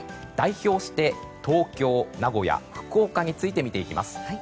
代表して東京、名古屋福岡について見ていきます。